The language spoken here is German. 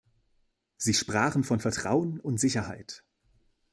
Sie sprachen von Vertrauen und Sicherheit.